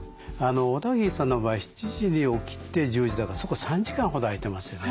小田切さんの場合７時に起きて１０時だからそこ３時間ほど空いてますよね。